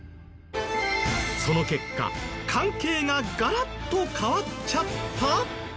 その結果関係がガラッと変わっちゃった！？